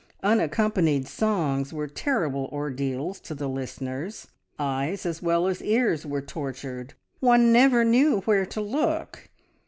Unaccompanied songs were terrible ordeals to the listeners. Eyes as well as ears were tortured. One never knew where to look!